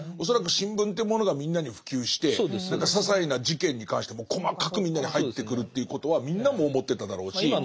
恐らく新聞というものがみんなに普及して何かささいな事件に関しても細かくみんなに入ってくるということはみんなも思ってただろうし。